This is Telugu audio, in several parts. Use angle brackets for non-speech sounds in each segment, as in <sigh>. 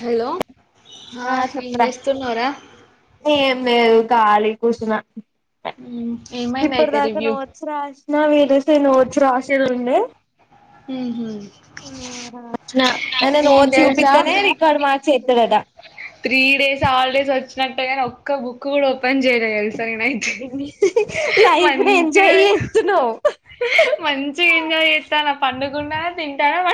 హలో ఆ ఏం చెప్పరా చేస్తున్నావురా ఏం లేదు కాలి కూసిన ఏం అయింది అయితే రివ్యూ నా <unintelligible> నువోచ్చి రాసేది ఉండే హ్మ్ ఐనా నేను నువోచ్చి తెలుసా చూపిత్తేనే రికార్డ్ మర్సీస్తడట త్రీ డేస్ హాలిడేస్ వచ్చినట్టుగానీ ఒక్క బుక్ కూడా ఓపెన్ చేయలే తే సా నేను అయితే లైఫ్ ని మంచిగా ఎంజాయ్ చేస్తున్నావ్ మంచిగా ఎంజాయ్ చేస్తానా పండు కుంటనా తింటానా పా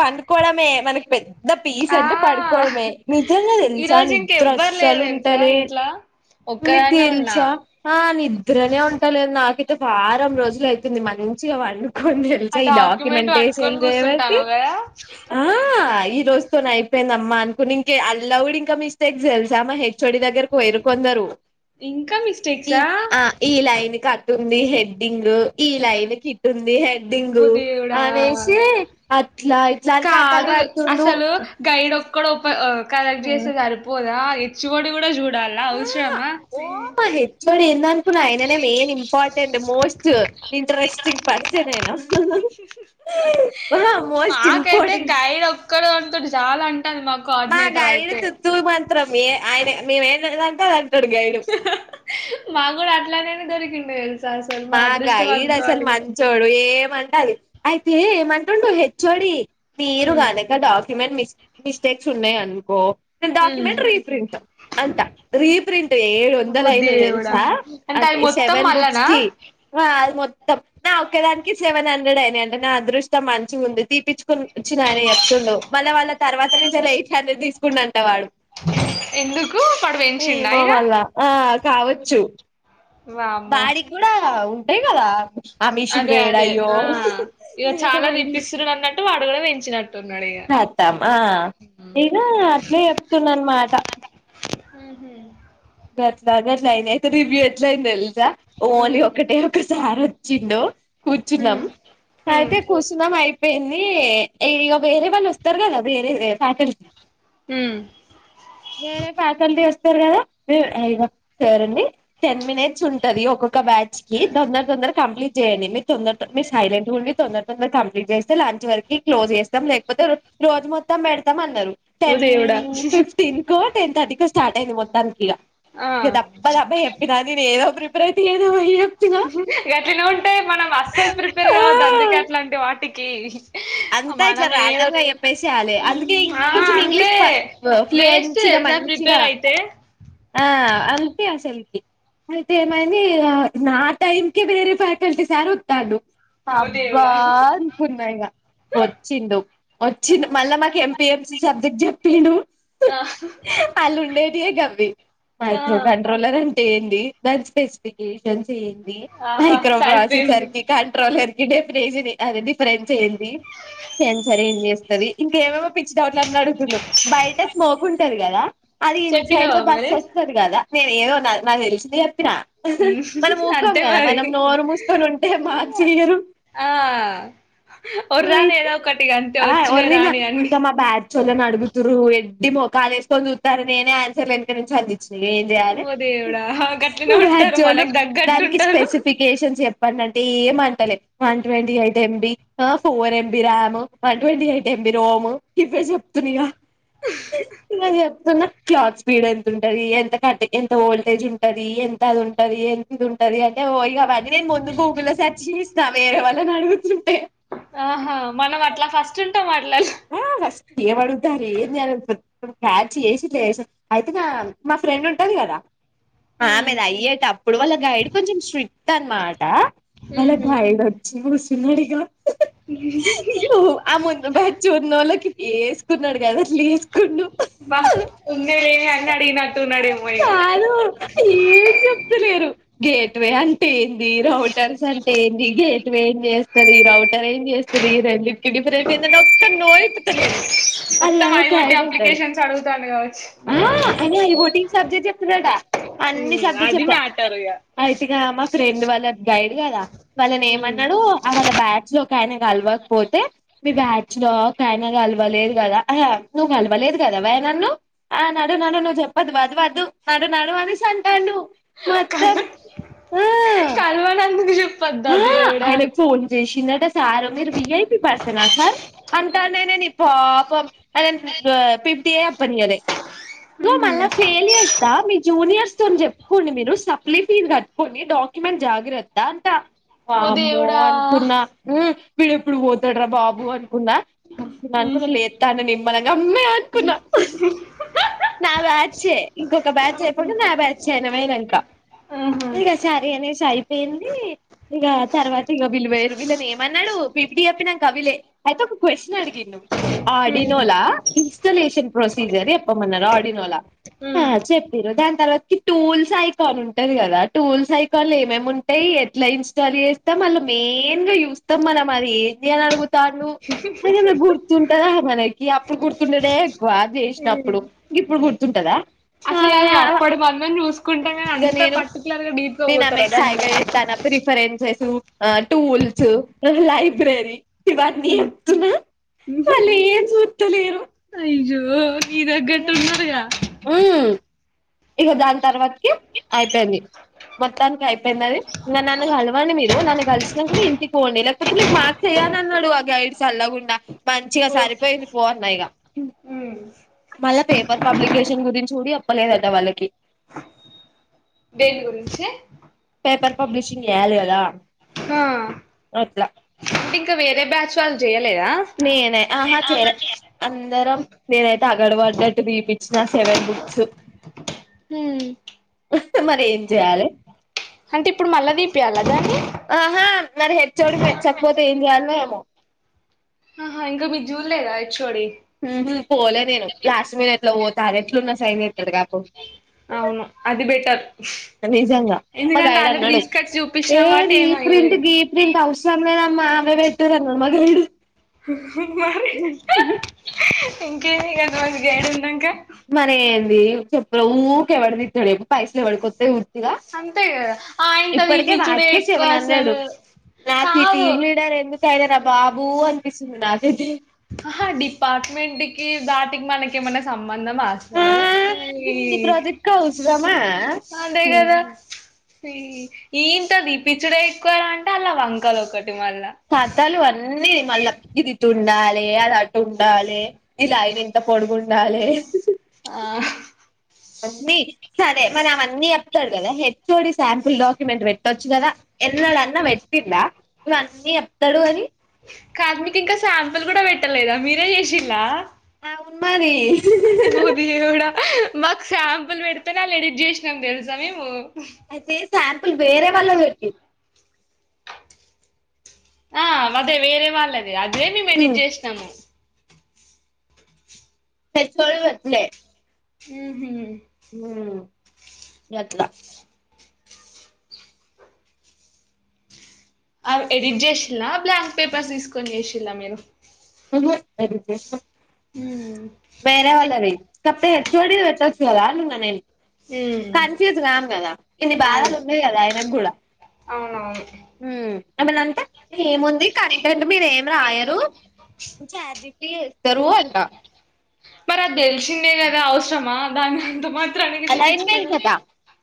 పండుకోవడమే మనకి పెద్ ద పీస్ ఆ అంటే పడుకోవడమే నిజంగా తెలుసా ఈరోజు నిద్ర ఇంకెవ్వరు లేరు అస్సలు తెలుసా ఉంటాలె ఇంట్లా నికు ఒక్కదాన్నే ఉన్నా తెలుసా ఆ నిద్రనే ఉంటలే నాకు వారం రోజులు అయితుంది మంచిగా వ డుకొని ఆ తెలుసా ఈ డాక్యుమెంట్ డాక్యుమెంటేషన్ పట్టుకొని కూర్చుంటాను <unintelligible> కదా ఆ ఈ రోజతోనీ అయి అయిపోయిందమ్ అనుకుని ఇంక అల్డ్ ఇంకా మిస్టేక్స్ తెల్సా మా హె ఓడి దగ్గరికి పోయిరు కొందరు ఇంకా మిస్టేక్సా ఆ ఈ లైన్ కట్ ఉంది హెడ్డింగ్ ఈ లైన్ కిట్టు ఉంది హెడ్డింగు ఓ దేవుడా అనేసి అట్లా ఇట్లా అని కథలు కాదు పడుతుండు అసలు గైడ్ ఒక్కడప ఆ కలెక్ట్ చేస్తే సరిపోదా ఎచ్చుఓడి కూడా చూడాలా అవసర ఓ మా హెచ్చఓడి ఎంద్ అనుకునావ్ ఆయననే main important most interesting person నేనా మోస్ట్ ఇంపార్టెంట్ కడే <unintelligible> జాల అం మా గైడ్ తు తూ మంత్రం మీ ఆయన మేమే <unintelligible> మా కూడా ఆట్లానేని దొరి ఫిమేల్స్ మాకా ఈడసలు మంచోడు ఏమంటె ఆది అయితే ఏమంటుండు హెచ్ ఒ డి మీరు హ్మ్ కాదక డాక్యుమెంట్ మిస్ మ మిస్టేక్స్ ఉన్నాయి అనుకో హ్మ్ డాక్యుమెంట్ రీప్రింట్ అంత రీప్రింట్ ఏడు వందలు బుద్ధి అయినియ్ దేవుడా తెలుసా అంటే అది అదీ మొత్తం సెవెన్ బుక్స్ మళ్ళనా జి అయి మొ మొత్తం ఒకేదానికి సెవెన్ హండ్రెడ్ అయినాయంటే నా అదృష్టం మంచిగా ఉంది తీపించుకుని వచ్చినని చెప్తుండు మళ్ళ వాళ్ళా తర్వాత నుంచి ఎయిట్ హండ్రెడ్ తీసుకుండంట వాడు ఎందుకు వాడు పెంచిండా ఏమో ఇగ మళ్ళా కావచ్చు వామ్మో వాడి గూడా అవు హ కదా ఆ మిషన్ అదే అదే వేడయ్యో ఆ ఇక చాలా తిప్పిస్తురన్నట్టు వాడు యిినట్ <unintelligible> పెతాం ఆ నేనూ అట్లే చెప్తున్నా అనమాట మ్. హూమ్..... గట్లా గట్లా ఆయనాయితే రివ్యూ ఎట్లా అయిందో తెలుసా? ఒన్లీ ఒకటే ఒక సా.... సార్ వచ్చిండు. కూర్చున్నాం అయితే కూసున్నాం అయి పెన్ని ఇగ వేరే వాళ్లు వస్తారు కదా.. వేరే ఫ్యాకల్టీ. వేరే ఫ్యాకల్టీ వస్తే ఉంటారు కదా. అయ్యావ సార్అండి, టెన్ మినిట్స్ ఉంటాది, ఒక్కొక్క బ్యాచ్ కి తొందర తొందరగా కంప్లీట్ చేయండి. మీ తొందర తొం మీరు సైలెంట్ ఉండి తొందర తొందర కంప్లీట్ చేస్తే లంచ్ వరకు క్లోజ్ చేస్తాం, లేకపోతే రోజు మొత్తం పెడతాం అన్నారు. ఓ టెన్ దేవుడా ఫిఫ్టీన్కో టెన్ థర్టీకో స్టార్ట్ అయింది. మొత్తానికి ఆ ఇగ దబ్బ దబ్బ చెప్పిన నేనే ఏదో ప్రిపేర్ అయితే ఏదో వయ్యొ మ్మ్ హుమ్ గట్లనే ఉంటాయి. మనం అస్సలు ప్రిపేర్ కావద్దు, అందుకే అట్లాంటి వాటికి. కి.. అంతా ఇట్లా రాండమ్ గా చెప్పేసేయాలే. అందుకే ఇం ఆ కొంచం అంతే ఇంగ్లీషు ప వేస్ట్ ఫ్లూయెన్సీగా తెలుసా మంచిగా ప్రిపేర్ అయితే ఆ అంతే అసలుకి. అయితే ఏమైంది, నా టైంకే వేరే ఫ్యాకల్టీ సార్ వత్తాండు. ఓ అబ్బా, దేవుడా అనుకున్నా ఇగ. వచ్చిండు, వచ్చి మళ్లా మాకు ఎంపీఎం సబ్జెక్ట్ చెప్పిండు. ఆ అల్ల <unintelligible> ఆ మైక్రోకంట్రోలర్ న్ ఏంది దాని స్పెసిఫికి తెలిసి, ఏంది ఆహా మైక్రోప్రాసెసర్ సరిపోయింది సర్క్యూట్ కంట్రోలర్‌కి డెఫి? ప్రైజ్‌ని, అది డిఫరెన్స్ ఏంది? సెంచరి ఏం చేస్తది ఇంకేమేమో పిచ్చి డౌట్లు అన్నీ అడుగుతుండు బయట స్మోక్ ఉంటది కదా అది ఇన్‌సైడ్ చెప్పినావా దగా బస్ మరి వస్తది గదా నేనేదో నాది నాకు తెలిసిందే ఎప్ త్తినా మనం ఊకోం అంతే కదా మరి మనం నోరు మూసుకోని ఉంటే మార్చియ్యరు ఆ ఒర్రాలి ఏదో ఒకటి అంతే ఆ వచ్చినాయి ఒర్రినా రాని అన్ని ఇగ మా బ్యాచ్ ఓళ్ళను అడుగుతుర్రు ఏ ఎడ్డి మొఖాలు ఏసుకుని జూత్తారు నేనే ఆన్సర్లు వెనకా నుంచి అంది ఏం ఓ చేయాలే దేవుడా గట్లనే ఉంటారు రాజ్యోల్లు మనకు తగ్గట్టు దానికి ఉంటారు స్పెసిఫికేషన్స్ చెప్ వాడిని అంటే ఏమంటలే వన్ ట్వెంటీ ఐటెమ్ బీ ఆ four M B RAM one twenty eight M B ROM ఇవే చెప్తుంన్నిగా నాకు చెప్తున్నా క్లాక్ స్పీడ్ ఎంతుంటది ఎంత కట్టికి ఎంత వోల్టేజ్ ఉంటంది ఎంత అది ఉంటది ఎంత <inaudible> ఉంటంది అంటే వో ఇగ వై నేను ముందు గూగుల్లో సెర్చ్ చేస్తాం వేరే వాళ్ళను అడుగుతుంటే ఆహా మనం అట్లా ఫస్ట్ టమాట్లల్ ఆ ఫస్ట్ ఏం అడుగుతారు ఏం <inaudible> క్యాచ్ చేసి <unintelligible> అయితే నా మా ఫ్రెండ్ ఉంటది కదా ఉమ్, ఆమెదయ్యేటప్పుడు వాళ్ళ గైడ్ కొంచెం స్ట్రిక్ట్ అనమా <unintelligible> ఉహు. తిన్నాడిగా ఓ ఆ ముందు బ న్నోళ్ళకి వేసుకున్నాడు కదా లేదు కుళ్ళు బా ఉన్నదేమి అన్ని అడిగినట్టున్నాడేమో ఇక కాదు ఏం చెప్తులేరు గేట్ వే అంటే ఏంది రౌటర్స్ అంటే ఏంది గేట్ వే ఏం చేస్త తది రావట్ అరేంజ్ చేస్తుంది ఈ రెండింటికి డిఫరెన్స్ ఏంటంటావ్ డ నోరిప్పుతలేరు మొత్తం అలా ఒక ఐఓటీ గైడ్ ఉంటాడు అప్లికేషన్స్ అడుగుతాండు కావచ్చు ఆ ఐ ఒ టి సబ్జెక్ట్ చెప్తడట అన్ని ఉమ్, సబ్జెక్ట్ అది చెప్పా మ్యాటర్ ఇగ అయితేగా మా ఫ్రెండ్ వాళ్ళ గైడ్ కదా వాళ్ళని ఉమ్, ఏమన్నాడు వాళ్ళ బ్యాచ్ లో ఇగ ఆయన కలవకపోతే మీ బ్యా చ్ లో ఒక ఆయన కలవలేదు కదా నువ్వు కలవలేదు కదా వయ నన్ను ఆ నడు నడు నువ్వు చెప్పద్దు వద్ వద్దు నడు నడు అని అంటాండు మొత్తం ఆ పెద్ద ఆ దేవుడా ఆయనకు ఫోన్ సారు మీరు <unintelligible> విఐపి పర్సనా సార్ అంటనే నేను ఇప్పు పాపం అదే తిట్టి పని ఇంకో ఉహు. మల్ల ఫెయిలియర్స రా మీరూ జూనియర్స్ తోని చెప్పుకోండి మీరు సప్లీ ఫీస్ కట్టుకొండి డాక్యుమెంట్ జాగ్రత్త అంత ఓ వామ్మో దేవుడా అనుకున పడ ఎప్పుడు పో బాబు అనుకున్నా ఉమ్, అనుకున్నా లేస్తాను అమ్మా అనుకున్నా నా బ్యాచ్ ఇంకొక బ్యాచ్ అయిపోనా నా బ్యాచ్ అయినమేనాంక ఆహా. ఇంక సరీ అనేసి అయిపోయింది ఇక తర్వాత ఇక వీళ్లు వేరు వీళ్ళని ఏమన్నాడు పిపిటీ చెప్పినా కవిలే అయితే ఒక క్వశ్చన్ అడిగిండు ఉమ్, ఆడినోలా ఇన్స్టాలేషన్ ప్రొసీజర్ ఎప్పమన్నార ఆడి లా ఆ ఉమ్, చెప్పరు దానికి తర్వాతకి టూల్స్ ఐకాన్ ఉంటది కదా టూల్స్ ఐకాన్లు ఏమేమి ఉంటాయి ఇట్లా ఇన్స్టాల్ చేస్తాం మళ్ళీ మెయిన్ గా చూస్తాం మనం అది ఏం చేయని అడుగుతాడు అది మ గుర్తుంటదా మనకి అప్పుడు గుర్తుంటడే ఎక్కువ ఉమ్. చేసినప్పుడు ఇం ఇప్పుడు గుర్తుంటదా అసలు అది అప్పుడు మనం చూసుకుంటే కానీ ఇక అంత నేను పర్టికులర్ గా డీప్ గా నేను ఆమెకు పోతారుదాందు సాయిగా చెప్తాన టూల్స్ లైబ్రరీ అన్ని చెప్తున వాళ్ళు ఏం చుట్టలేరు నిజో ఉమ్ ఇగ దానికి తర్వాతకి అయిపోయింది మొత్తానికి అయిపోయింది అని ఇంకా నన్ను కలవండి మీరు నన్ను కలిసినాక ఇంటికి పొండి లేకపోతే మీకు మార్క్స్ వెయ్యను అన్నాడు ఆ గైడ్స్ సల్ల గుండా మంచిగా ఓ సరిపోయింది పో అన్న ఇగ ఉమ్ అళ్ళ పేపర్ పబ్లికేషన్ గురించి కూడా చెప్పలేదట వాళ్ళకి దేని గురించి పేపర్ పబ్లిషింగ్ ఏయాలా కదా అట్లా అంటే ఇంకా వేరే బ్యాచ్ వాళ్ళ నేన ఆహా చేయలే అందరం నేనైతే తగడ పడ్డట్టు తీపించ నా సెవెన్ బుక్స్ హ మరి ఏం చేయాలి అంటే ఇప్పుడు మళ్లా దీపయాలదాని ఆహా మరి హెర్చ్చవడి మెర్చ్చకపోతే ఏం చేయాలి మేము హా ఇంకా మీ చూడలేదా హెచ్ ఓ డి ఊ హుమ్ పోలే నేను లాస్ట్మ అట్ల పోత రెట్లున్న సైన్ చేస్తాడు నాకు అవును అది బెటర్ నిజంగ మ ఎందుకంటే గైడ్ ఆల్రెడీ అన్నాడు తీసుకొచ్చి ఏ చూపించినాం కాబట్టి రీ ప్రింట్ ఏమయ్యేది గీ ప్రింట్ అవసరం లేనా మామె పెటూరన్నాడ్ మ గైడు మరి <unintelligible> ఇంకేమి ఇక రోజు గైడు ఉన్నాంక ఎ చెప్పుల ఊకె ఎవడదిత్తడుే పైసలు ఎవడి కొత్తాయి ఇగ అంతే కదా ఆయనతో ఇప్పటికే తీపిచ్చుడే వాటికే ఎక్కువ సెవెన్ హండ్రెడు అసలు నాకు ఈ కాదు టీమ్ లీడర్ ఎందుకయినా రా బా బూ అన్పిస్తుంది నాకయితె అహ డిపార్ట్మెంట్కి దాటికి మనక మ సంబంధ మా ఆ అసలు అ గి మినీ ప్రాజెక్ట్కి అవసరమా అంతే కదా ఇంతో దీపిచ్చుడే ఎక్కువ రా అంటే అల్లా వంకలు ఒకటి మళ్ళా తాతలు అన్నీ మళ్ళ ఇది ఇటు ఉండాలె అది అటు ఉండాలె ఇలా కొడుకుం డ్ ఆ అన్ని సరే మరి అవన్నీ చెప్తాడు కదా H O D sir full document పెట్టొచ్చు కదా ఎన్నడన్న వెట్టింద ములన్నీ చెప్తాడు కాని కాద్ మీకింక శాంపిల్ కూడ పెట్టలేదా మీరే చేసి న్లా మరి ఒ దేవుడ మాకు శాంపుల్ పెడితేనే అళ్ళ ఎడిట్ చేసినాం తెలుసా మేము అయితె సాంపుల్ వేరె వాళ్ళ పెట్టి ఆ వదే వేరే వాళ్ళది అద్ మేము ఎడిట్ చేసినాము పెద్దోల్ వద్దులే ఊహు ఉమ్ గట్ల అ ఎడిట్ చేసిన్లా బ్లాక్ పేపర్స్ తీసుకొని చేసిన్లా మీరు ఉహుమ్ ఎడిట్ చేసినాం ఉమ్ వేరే వాళ్ళది కప్పె హెచ్ ఓడి పెట్టొచ్చుగద అప్పును నువ్ నన్నేమి ఉమ్, కన్ఫ్యూజ్ గామ్ కదా ఇన్ని బాధలు అవును ఉన్నాయి కదా ఆయనకు కూడా అవునవును ఎమన్న అంటే ఏముంది కంటెంట్ మీరేం రాయరు చ జితి ఎస్తారు అంట మరి అది తెలిసిందే కదా అవసరమా దాని అంత మం అలాయిన్మెంట్ కదా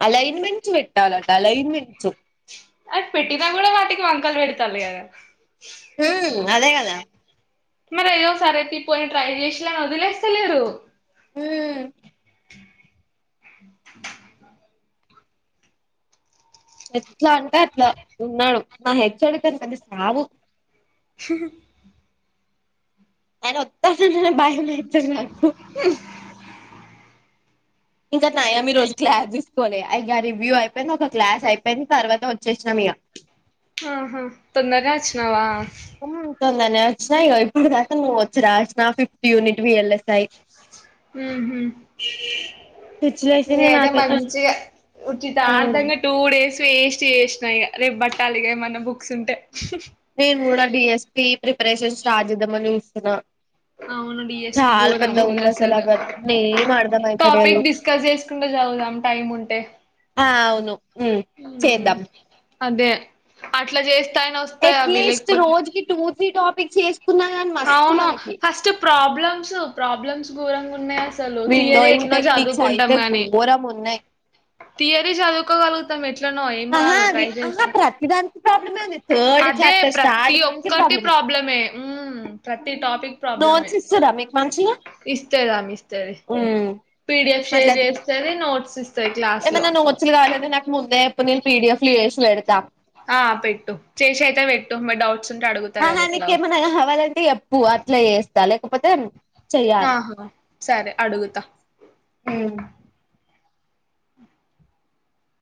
అలైన్మెంట్స్ పెట్టాలటా అలైన్మెంట్స్సు అది పెట్టిన కూడా వాటికి వకల్ పెడుతాలు కదా హ్మ్ అదే కదా మరి అయ్యో సరయితే పోయి ట్రై చేషిల్లు అని వదిలేస్తలేరు ఉమ్ ఎట్లా అంటే అట్లా ఉన్నాడు మా హేచ్ఓడి తోని పెద్ద సావు హుహ్ ఆయన ఒత్తనే భయం అయితది నాకు ఇంకా నయం ఈ రోజు క్లాస్ తీసుకోలే అయ్యా రివ్యూ అయిపోయింది ఒక క్లాస్ అయిపోయింది తర్వాత వచేసినం ఇగ ఆహా తొందరానే ఒచ్చినవ ఆ తొందనే వచ్చినా ఇగో ఇప్పుడుదాకా నోట్స్ వచ్చి రాసిన ఫిఫ్త్ యూనిట్ విఎల్ఎస్ఐ ఉహు పిచ్చి లేసింది నేన్ అయితే నాకైతే అసలు. మంచిగా ఉమ్. ఉచ్చితార్థంగా టూ డేస్ వేస్ట్ చేసిన ఇగ రేప్ బట్టాలిగా ఏమన్నా బుక్స్ ఉంటే నేను కూడా డిఎస్టి ప్రిపరేషన్స్ స్టార్ట్ జేద్దామని చుత్తూన్న అవును డిఎస్పి ఉంది అసలు గోరంగుందసలు అవన్నీ ఏం అర్థం అయితలేదు టాపిక్ డిస్కస్ చేసుకుంటా చదువుదాం టైం ఉంటే ను ఊమ్ చేద్దాం అదే అట్లా చేస్ ఎట్లీస్ట్ రోజకి టూ త్రీ టాప్ పిచ్చి లెస్ అవును ఫస్ట్ ప్రాబ్లమ్స్ ప్రాబ్లమ్స్ గోరంగ ఉన్నాయి అస్ అసలు థియరీ విండోయింగ్ ఏట్నో టెక్నిక్స్ చదువుకుంటాం అయితే గాని ఘోరం ఉన్నాయి థియరీ చదువుకోగల్ మొత్తం ఎట్ ఆహా అది ఆహా ప్రతిదానికి ప్రాబ్లమే ఉంది థర్డ్ అదే చాప్టర్ ప్రతి స్టార్టింగ్ నుంచి ఒక్కటి ప్రాబ్లమే మ్మ్ ప్రతి టాపిక్ ప్రాబ్లమే నోట్స్ ఇస్తురా మీకు మంచిగా ఇస్తాది ఆమె ఇస్తది ఉమ్ పీడిఎఫ్ షేర్ చేస్తేది నో నోట్స్ ఇస్ ఏమన్న నోట్స్ లు కావాలంటే నాకు ముందే చెప్పు నేను పిడిఎఫ్ లు చేసి పెడతా ఆ పెట్టు చేసి అయితే పెట్టు మే డౌట్ ఆహా నికేమన్నా కావాలంటే చెప్ ప్పు అట్లే చేస్తా లేకపోతే చెయ్యాలి కాహా సరే అడుగుతా ఉమ్